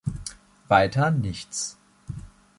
Weiter nichts.